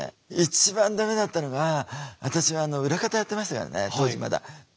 一番ダメだったのが私はあの裏方やってましたからね当時まだ。